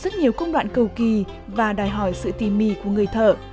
sau rất nhiều công đoạn cầu kỳ và đòi hỏi sự tìm mì của người thợ